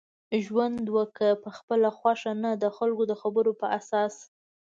ژوند وکړه په خپله خوښه نه دخلکو دخبرو په اساس